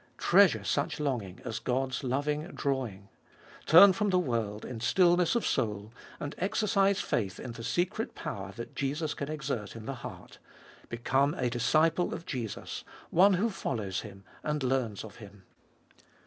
Treasure such longing as God's loving drawing. Turn from the world in stillness of soul, and exercise faith In the secret power that Jesus can exert in the heart. Become a disciple of Jesus, one who follows Him and learns of Him.